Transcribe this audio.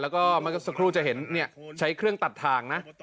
แล้วก็เมื่อสักครู่จะเห็นใช้เครื่องตัดทางนะ